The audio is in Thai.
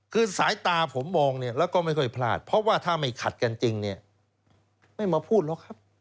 คือสายตาผมมองเนี่ยแล้วก็ไม่ค่อยพลาดเพราะว่าถ้าไม่ขัดกันจริงเนี่ยไม่มาพูดหรอกครับ